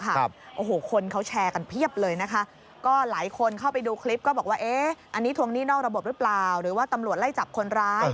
โอ้โหคนเขาแชร์กันเพียบเลยนะคะก็หลายคนเข้าไปดูคลิปก็บอกว่าเอ๊ะอันนี้ทวงหนี้นอกระบบหรือเปล่าหรือว่าตำรวจไล่จับคนร้าย